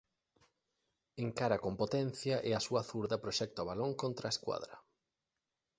Encara con potencia e a súa zurda proxecta o balón contra a escuadra.